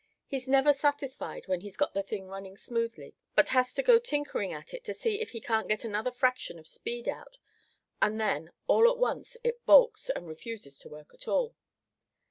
He's never satisfied when he's got the thing running smoothly, but has to go tinkering at it to see if he can't get another fraction of speed out, and then all at once it balks, and refuses to work at all."